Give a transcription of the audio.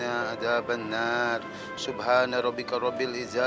kalau begitu saya permisi dulu pak